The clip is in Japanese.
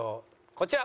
こちら。